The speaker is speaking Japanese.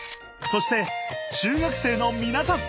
そして中学生のみなさん